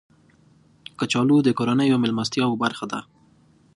کچالو د کورنیو میلمستیاو برخه ده